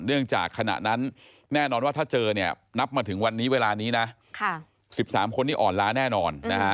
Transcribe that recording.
เนื่องจากขณะนั้นแน่นอนว่าถ้าเจอนับมาถึงวันนี้เวลานี้๑๓คนอ่อนล้าแน่นอน